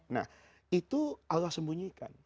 nah itu allah sembunyikan